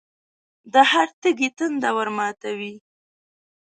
د هر تږي تنده ورماتوي.